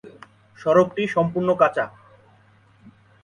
সড়কটি সম্পূর্ণ কাঁচা।